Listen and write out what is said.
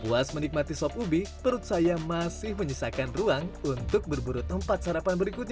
buas menikmati sok ubi perut saya masih menyisakan ruang untuk berburu tempat sarapan berikutnya